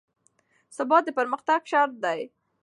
ثبات د پرمختګ شرط دی